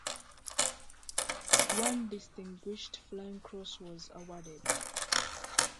One Distinguished Flying Cross was awarded.